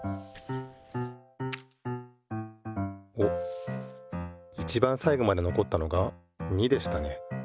おっいちばんさいごまでのこったのが２でしたね。